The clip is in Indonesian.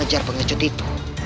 aku akan menang